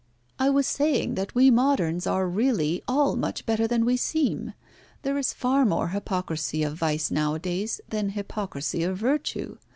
"I was saying that we moderns are really all much better than we seem. There is far more hypocrisy of vice nowadays than hypocrisy of virtue.